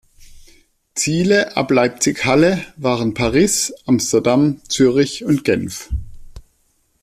Ziele ab Leipzig-Halle waren Paris, Amsterdam, Zürich und Genf.